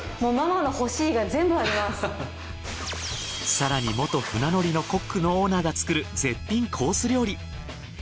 更に元船乗りのコックのオーナーが作る絶品コース料理。